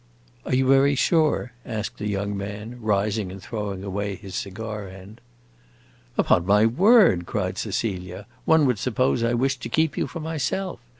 "Are you very sure?" asked the young man, rising and throwing away his cigar end. "Upon my word," cried Cecilia, "one would suppose I wished to keep you for myself.